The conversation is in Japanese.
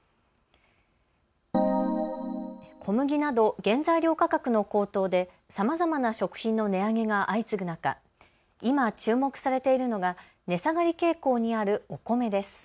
小麦など原材料価格の高騰でさまざまな食品の値上げが相次ぐ中、今、注目されているのが値下がり傾向にあるお米です。